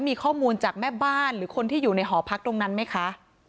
มีข้อมูลจากแม่บ้านหรือคนที่อยู่ในหอพักตรงนั้นไหมคะ